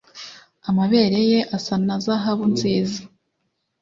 amabere ye asa na zahabu nziza